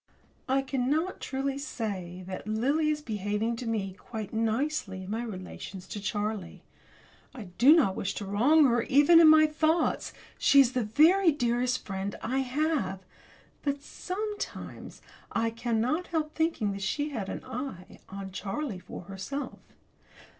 I cannot truly say that Lily is behaving to me quite nicely in my relations with Charlie. I do not wish to wrong her, even in my thoughts she is the very dearest friend I have! but, sometimes, I cannot help thinking that she had an eye on Charlie for herself.